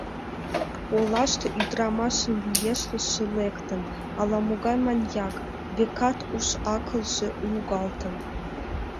Олаште ӱдырамашым виешлыше лектын, ала-могай маньяк, векат, уш-акылже лугалтын.